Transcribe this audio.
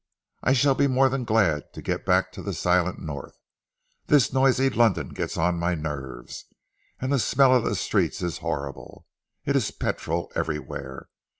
I shall be more than glad to get back to the silent North. This noisy London gets on my nerves, and the smell of the streets is horrible. It is petrol everywhere.